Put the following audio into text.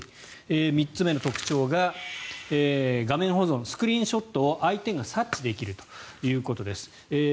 ３つ目の特徴が画面保存、スクリーンショットを相手が察知できるということです。